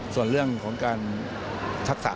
ส่วนเรื่องของการทักษะ